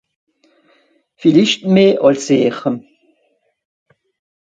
Villicht meh àls ìhr.